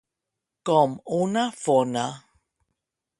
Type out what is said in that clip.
Com una fona.